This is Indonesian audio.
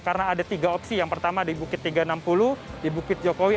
karena ada tiga opsi yang pertama di bukit tiga ratus enam puluh di bukit jokowi